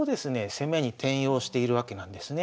攻めに転用しているわけなんですね。